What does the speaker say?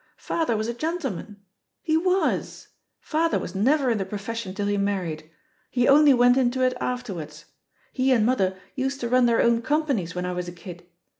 Father was a gen tleman. He was — father was never in the pro fession till he married, he only went into it after wards. He and mother used to run their own companies when I was a kid.